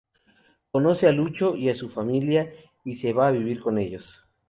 Conoce a Lucho y a su familia y se va a vivir con ellos.